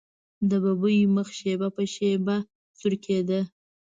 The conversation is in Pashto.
د ببۍ مخ شېبه په شېبه سورېده.